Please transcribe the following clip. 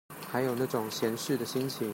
還有那種閒適的心情